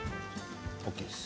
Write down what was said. ＯＫです。